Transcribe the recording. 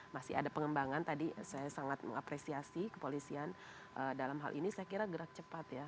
masih ada pengembangan tadi saya sangat mengapresiasi kepolisian dalam hal ini saya kira gerak cepat ya